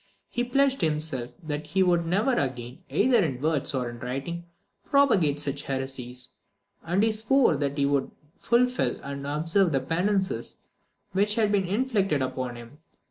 He pledged himself that he would never again, either in words or in writing, propagate such heresies; and he swore that he would fulfil and observe the penances which had been inflicted upon him.